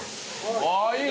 ああいい！